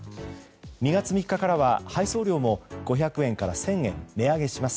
２月３日からは配送料も５００円から１０００円値上げします。